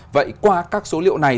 vậy qua các số liệu này